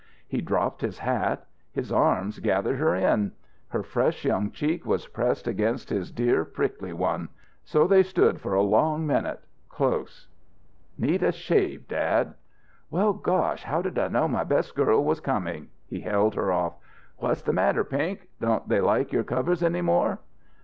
He dropped his hat. His arms gathered her in. Her fresh young cheek was pressed against his dear, prickly one. So they stood for a long minute close. "Need a shave, dad." "Well gosh how did I know my best girl was coming!" He held her off. "What's the matter, Pink? Don't they like your covers any more?"